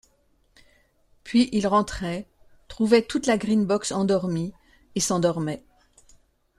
Puis il rentrait, trouvait toute la Green-Box endormie, et s’endormait.